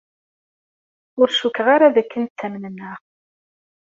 Ur cukkeɣ ara d akken ttamnen-aɣ.